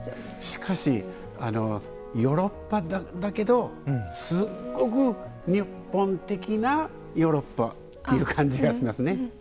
しかしヨーロッパだけどすっごく日本的なヨーロッパっていう感じがしますね。